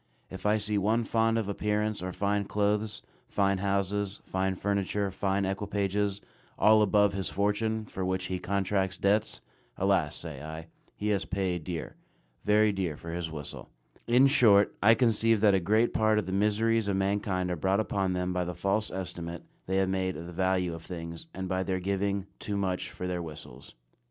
If I see one fond of appearance or fine clothes, fine houses, fine furniture, fine equipages, all above his fortune, for which he contracts debts, "Alas," say I, "he has paid dear, very dear for his whistle." In short, I conceive that a great part of the miseries of mankind are brought upon them by the false estimate they have made of the value of things, and by their giving "too much for their whistles."